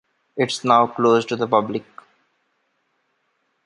It is now closed to the public.